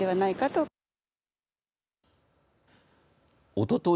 おととい